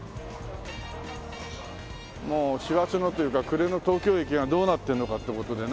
もう師走のというか暮れの東京駅がどうなってるのかって事でなんかね。